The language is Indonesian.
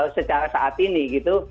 sejak saat ini gitu